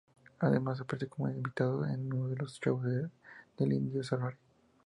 Además, apareció como invitado en uno de los shows del Indio Solari.